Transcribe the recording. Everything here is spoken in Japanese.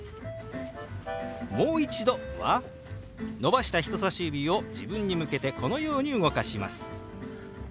「もう一度」は伸ばした人さし指を自分に向けてこのように動かします。